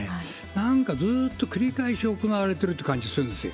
なんかずーっと繰り返し行われてるって感じがするんですよ。